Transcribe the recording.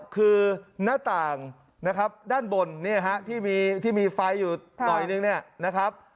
คือหน้าต่างด้านบนที่มีไฟล์อยู่หน่อยนึง